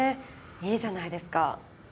いいじゃないですか。